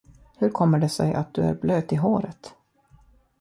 Hur kommer det sig att du är blöt i håret?